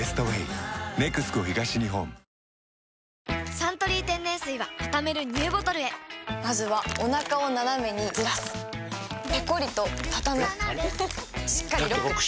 「サントリー天然水」はたためるＮＥＷボトルへまずはおなかをナナメにずらすペコリ！とたたむしっかりロック！